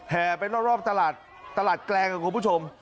ไปรอบตลาดตลาดแกลงกับคุณผู้ชม